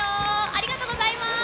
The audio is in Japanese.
ありがとうございます。